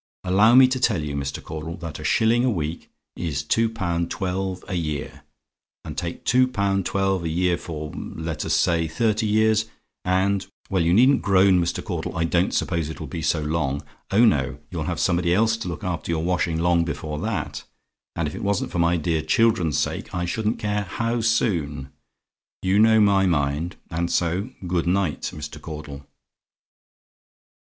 Allow me to tell you, Mr. Caudle, that a shilling a week is two pound twelve a year; and take two pound twelve a year for, let us say, thirty years, and well, you needn't groan, Mr. Caudle I don't suppose it will be so long; oh, no! you'll have somebody else to look after your washing long before that and if it wasn't for my dear children's sake I shouldn't care how soon. You know my mind and so, good night, Mr. Caudle."